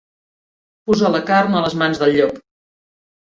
Posar la carn a les mans del llop.